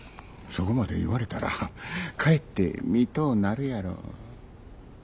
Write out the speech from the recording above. そこまで言われたらかえって見とうなるやろ。